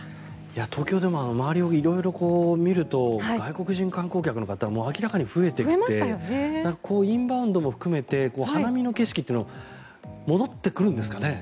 東京でも周りを色々見ると外国人観光客の方明らかに増えてきてインバウンドも含めて花見の景色というのは戻ってくるんですかね。